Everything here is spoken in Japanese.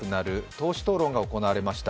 党首討論が行われました。